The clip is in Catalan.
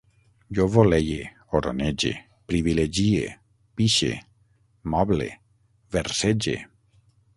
Jo voleie, oronege, privilegie, pixe, moble, versege